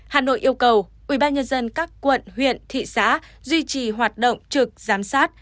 hà nội yêu cầu ubnd các quận huyện thị xã duy trì hoạt động trực giám sát